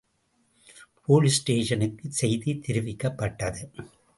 Police ஸ்டேஷனுக்கு செய்தி தெரிவிக்கப்பட்டது.